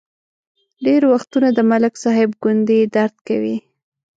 ډېر وختونه د ملک صاحب ګونډې درد کوي.